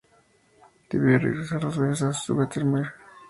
Debió regresar dos veces a Wurtemberg.